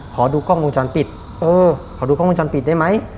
ขอดูกล้องวงจรปิดเออขอดูกล้องวงจรปิดได้ไหม